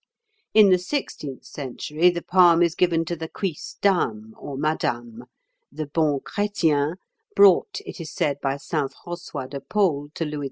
In the sixteenth century the palm is given to the cuisse dame, or madame; the bon chrétien, brought, it is said, by St. François de Paule to Louis XI.